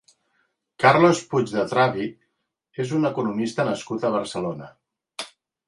Carlos Puig de Travy és un economista nascut a Barcelona.